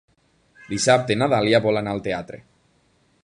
Dissabte na Dàlia vol anar al teatre.